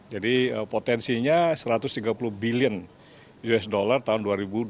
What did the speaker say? jadi potensinya satu ratus tiga puluh bilion usd tahun dua ribu dua puluh lima dua ribu tiga puluh